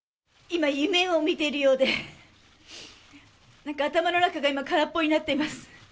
今、夢を見ているようで、なんか頭の中が今、空っぽになってます。